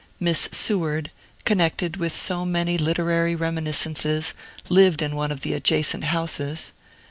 Miss Seward, connected with so many literary reminiscences, lived in one of the adjacent houses.